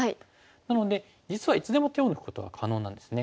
なので実はいつでも手を抜くことが可能なんですね。